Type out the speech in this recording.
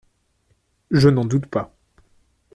Je n’en doute pas.